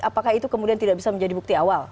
apakah itu kemudian tidak bisa menjadi bukti awal